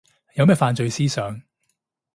有咩犯罪思想